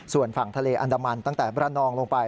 ส่วนฝั่งทะเลอันดามันตั้งแต่บรรนองลงไป